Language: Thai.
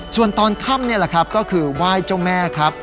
ส่วนตอนค่ำนี่แหละครับก็คือไหว้เจ้าแม่ครับ